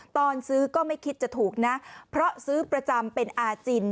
ตอนซื้อก็ไม่คิดจะถูกนะเพราะซื้อประจำเป็นอาจิน